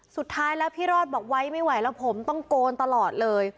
สุดท้ายแล้วพี่รอดบอกไว้ไม่ไหวแล้วผมต้องโกนตลอดเลย